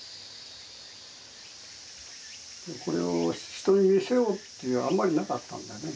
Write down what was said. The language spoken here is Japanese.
これを人に見せようっていうのはあんまりなかったんだよね